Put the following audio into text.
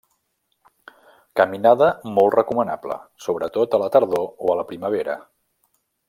Caminada molt recomanable, sobretot a la tardor o a la primavera.